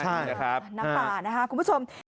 น้ำตานะครับคุณผู้ชม